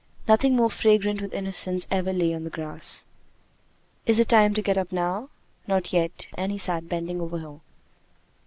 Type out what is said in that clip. Nothing more fragrant with innocence ever lay on the grass. "Is it time to get up now?" "Not yet," and he sat bending over her.